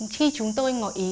khi chúng tôi ngồi ý